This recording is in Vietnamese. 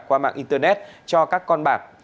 qua mạng internet cho các con bạc